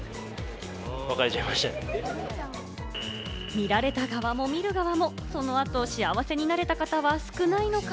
見られた側も見る側もそのあと幸せになれた方は少ないのか。